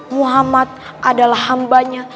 muhammad adalah hambanya